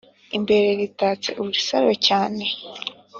Imbere ritatse urusaro cyane,